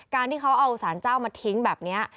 การที่เขาเอาสารเจ้ามาทิ้งแบบนี้